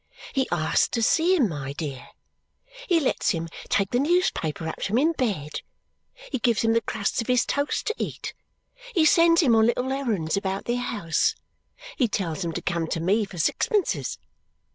He asks to see him, my dear! He lets him take the newspaper up to him in bed; he gives him the crusts of his toast to eat; he sends him on little errands about the house; he tells him to come to me for sixpences.